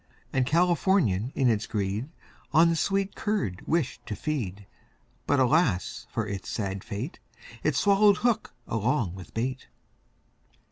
And Californian in its greed, On the sweet curd wished to feed; But, alas, for it's sad fate, It swallowed hook along with bait.